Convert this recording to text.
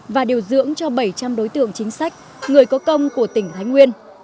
và điều dưỡng cho bảy trăm linh đối tượng chính sách người có công của tỉnh thái nguyên